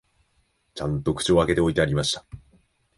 ちゃんと口を開けて置いてありました